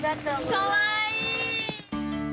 かわいい。